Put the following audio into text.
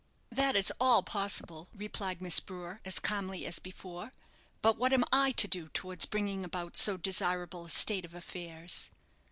"That is all possible," replied Miss Brewer, as calmly as before; "but what am I to do towards bringing about so desirable a state of affairs."